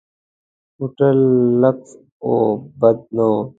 هوټل لکس و، بد نه و.